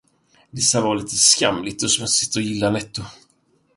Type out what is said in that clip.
Det ska vara lite skamligt och smutsigt att gilla Netto.